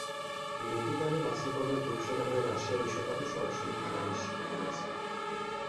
দুটি দলই বাছাইপর্বে গ্রুপসেরা হয়ে রাশিয়া বিশ্বকাপে সরাসরি খেলা নিশ্চিত করেছে।